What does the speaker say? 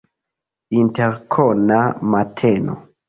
Interkona mateno.